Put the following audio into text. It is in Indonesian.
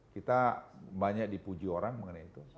kita banyak dipuji orang mengenai itu